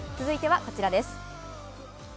続いては、こちらです。